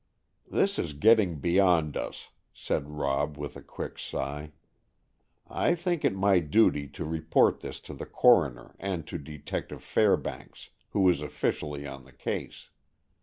"This is getting beyond us," said Rob, with a quick sigh. "I think it my duty to report this to the coroner and to Detective Fairbanks, who is officially on the case.